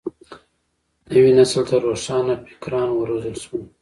نوي نسل ته روښان فکران وروزل شول.